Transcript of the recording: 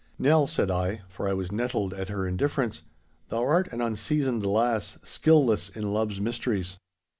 'Nell,' said I (for I was nettled at her indifference), 'thou art an unseasoned lass, skilless in love's mysteries.